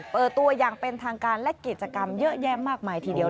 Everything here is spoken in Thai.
เปิดตัวอย่างเป็นทางการและกิจกรรมเยอะแยะมากมายทีเดียว